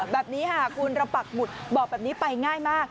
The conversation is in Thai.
แบบนี้ค่ะคุณระปักหมุดบอกแบบนี้ไปง่ายมาก